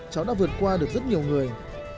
cháu đã vượt qua được rất nhiều người